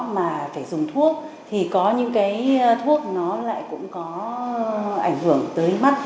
mà phải dùng thuốc thì có những cái thuốc nó lại cũng có ảnh hưởng tới mắt